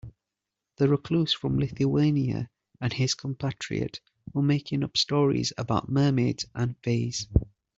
The recluse from Lithuania and his compatriot were making up stories about mermaids and fays.